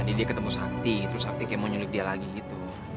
ini dia ketemu sakti terus sakti kayak mau nyulik dia lagi gitu